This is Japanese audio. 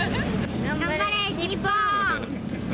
頑張れ！日本！